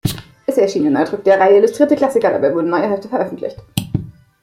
Es erschien ein Neudruck der Reihe Illustrierte Klassiker, dabei wurden neue Hefte veröffentlicht.